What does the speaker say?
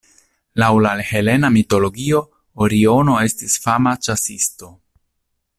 Laŭ la helena mitologio Oriono estis fama ĉasisto.